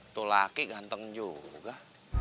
itu laki ganteng juga